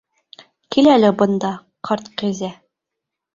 Кил әле бында, ҡарт кәзә!